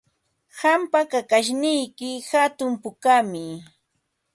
Qampa kakashniyki hatun pukami.